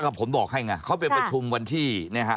ก็ผมบอกให้ไงเขาไปประชุมวันที่เนี่ยฮะ